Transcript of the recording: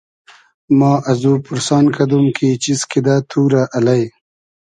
ما ازو پورسان کئدوم کی چیز کیدۂ تو رۂ الݷ